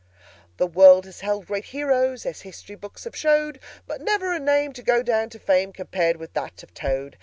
"The world has held great Heroes, As history books have showed; But never a name to go down to fame Compared with that of Toad!